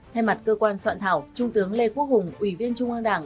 thay mặt cơ quan soạn thảo trung tướng lê quốc hùng ủy viên trung an đảng